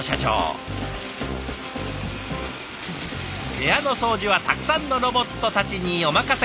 部屋の掃除はたくさんのロボットたちにお任せ。